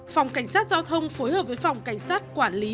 phòng cảnh sát giao thông phối hợp với phòng cảnh sát quản lý